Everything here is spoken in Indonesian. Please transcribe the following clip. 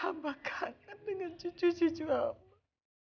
amba kangen dengan cucu cucu amba